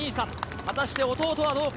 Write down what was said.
果たして弟はどうか。